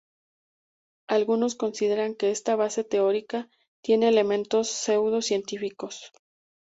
Algunos consideran que esta base teórica tiene elementos pseudo-científicos.